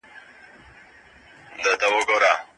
د علم په مرسته ستونزې حل کړئ.